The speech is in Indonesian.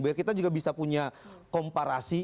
biar kita juga bisa punya komparasi